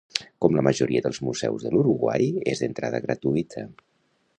Com la majoria dels museus de l'Uruguai és d'entrada gratuïta.